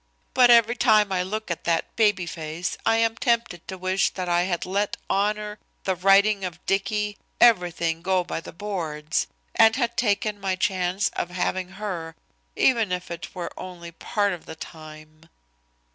But every time I look at that baby face I am tempted to wish that I had let honor, the righting of Dicky, everything go by the boards, and had taken my chance of having her, even if it were only part of the time."